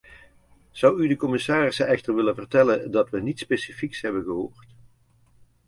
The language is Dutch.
Zou u de commissarissen echter willen vertellen dat we niets specifieks hebben gehoord.